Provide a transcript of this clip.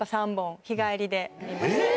えっ！